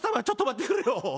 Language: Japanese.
「ちょっと待ってくれよ！